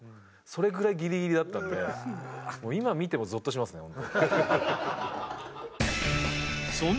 それぐらいギリギリだったので今見てもゾッとしますねホント。